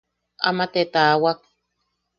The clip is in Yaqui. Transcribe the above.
Ama te taawak.